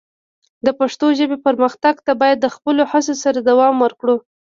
د پښتو ژبې پرمختګ ته باید د خپلو هڅو سره دوام ورکړو.